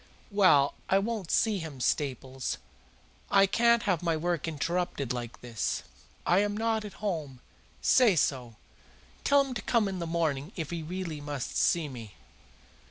"Well, I won't see him, Staples. I can't have my work interrupted like this. I am not at home. Say so. Tell him to come in the morning if he really must see me."